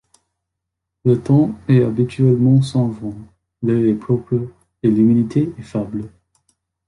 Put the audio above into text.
Le temps est habituellement sans vent, l'air est propre, et l'humidité est faible.